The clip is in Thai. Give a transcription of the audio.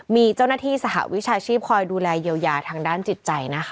มีเจ้าหน้าที่สหวิชาชีพคอยดูแลเยียวยาทางด้านจิตใจนะคะ